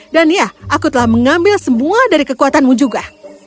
dan ya aku telah mengambil semua dari kekuatanmu juga